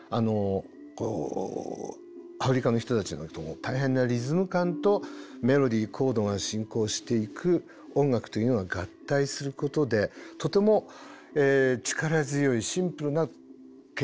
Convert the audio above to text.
こうアフリカの人たちの大変なリズム感とメロディーコードが進行していく音楽というのが合体することでとても力強いシンプルな形態ができるようになりました。